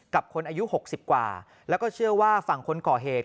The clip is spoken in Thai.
กับคนอายุ๖๐กว่าแล้วก็เชื่อว่าฝั่งคนก่อเหตุ